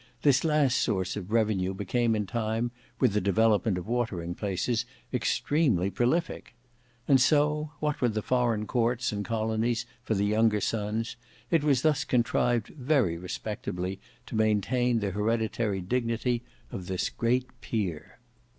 This last source of revenue became in time, with the development of watering places, extremely prolific. And so, what with the foreign courts and colonies for the younger sons, it was thus contrived very respectably to maintain the hereditary dignity of this great peer.